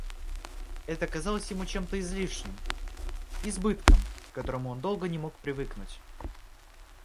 Это казалось ему чем-то излишним, избытком, к которому он долго не мог привыкнуть.